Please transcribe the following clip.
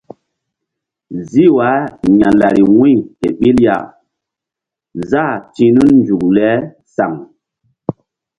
Zih wah ya̧lari wu̧y ke ɓil ya záh ti̧h nun nzuk le saŋ.